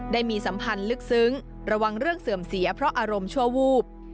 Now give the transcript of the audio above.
ได้มีสัมพันธ์ลึกซึ้งระวังเรื่องเสื่อมเสียเพราะอารมณ์ชั่ววูบ